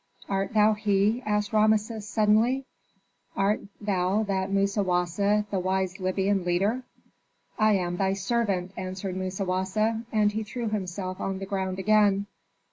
"Art thou he?" asked Rameses, suddenly. "Art thou that Musawasa, the wise Libyan leader?" "I am thy servant," answered Musawasa, and he threw himself on the ground again.